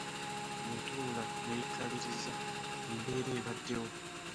Yatuula neyekkaliriza embeera ebaddewo .